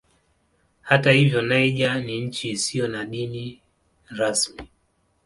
Hata hivyo Niger ni nchi isiyo na dini rasmi.